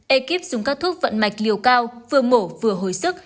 ekip dùng các thuốc vận mạch liều cao vừa mổ vừa hồi sức